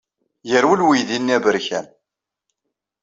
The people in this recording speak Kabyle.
Yerwel weydi-nni aberkan.